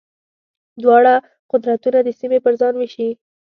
دواړه قدرتونه دې سیمې پر ځان وېشي.